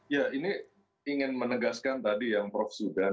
ya ini ingin menegaskan tadi ya prof judan